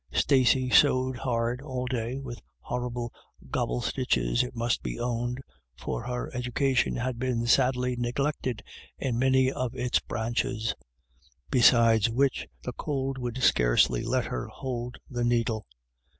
Stacey sewed hard all day, with horrible gobble stitches it must be owned, for her education had been sadly neglected in many of its branches; besides which, the cold would scarcely let her hold the needle.